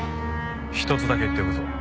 一つだけ言っておくぞ。